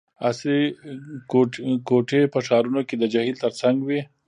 عصري کوټي په ښارونو کې د جهیل ترڅنګ وي